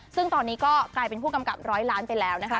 ซึ่งตอนนี้ก็กลายเป็นผู้กำกับร้อยล้านไปแล้วนะคะ